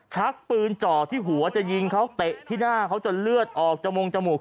ชักปืนจ่อที่หัวจะยิงเขาเตะที่หน้าเขาจนเลือดออกจมูงจมูก